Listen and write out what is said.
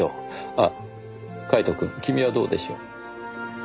あカイトくん。君はどうでしょう？